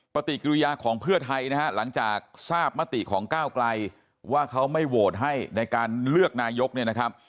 ปฏิกิริยาของเพื่อไทยนะฮะหลังจากทราบมติของก้าวไกลว่าเขาไม่โหวตให้ในการเลือกนายกเนี่ยนะครับ